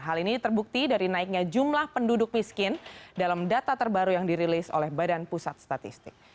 hal ini terbukti dari naiknya jumlah penduduk miskin dalam data terbaru yang dirilis oleh badan pusat statistik